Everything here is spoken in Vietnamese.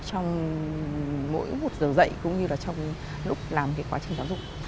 trong mỗi một giờ dậy cũng như là trong lúc làm quá trình giáo dục